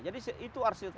jadi itu arsitektur